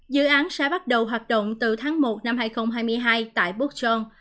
dự án sẽ bắt đầu hoạt động từ tháng một năm hai nghìn hai mươi hai tại bookson